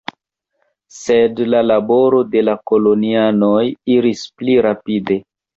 Sed la laboro de la kolonianoj iris pli rapide.